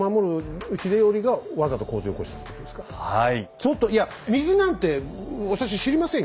ちょっといや水なんて私知りませんよ